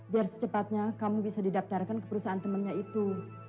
biar secepatnya kamu bisa didaftarkan ke perusahaan temannya itu